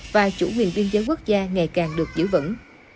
và chủ quyền biên giới quốc gia ngày càng được giữ vững